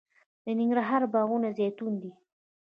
د ننګرهار باغونه زیتون دي